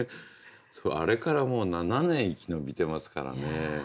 あれからもう７年生き延びてますからね。